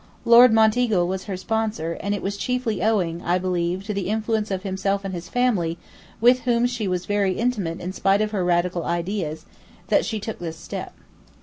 Lord Monteagle was her sponsor and it was chiefly owing, I believe, to the influence of himself and his family, with whom she was very intimate in spite of her Radical ideas, that she took this step.